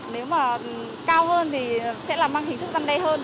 nếu mà cao hơn thì sẽ là mang hình thức tăng đê hơn